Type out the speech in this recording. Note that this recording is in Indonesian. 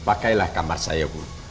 pakailah kamar saya bu